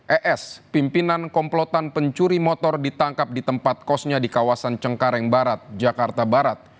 es pimpinan komplotan pencuri motor ditangkap di tempat kosnya di kawasan cengkareng barat jakarta barat